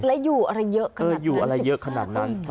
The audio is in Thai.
และอยู่อะไรเยอะขนาดนั้น